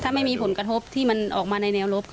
ก็เงินกระทบที่มันออกมาในแนวลบ